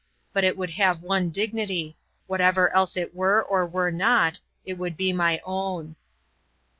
But it would have one dignity whatever else it were or were not, it would be my own."